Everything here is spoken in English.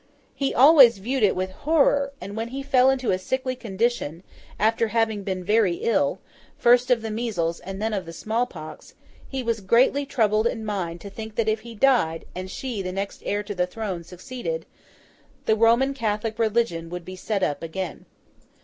He always viewed it with horror; and when he fell into a sickly condition, after having been very ill, first of the measles and then of the small pox, he was greatly troubled in mind to think that if he died, and she, the next heir to the throne, succeeded, the Roman Catholic religion would be set up again.